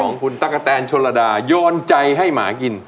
ของคุณตั๊กกะแตนชนระดาโยนใจให้หมากิน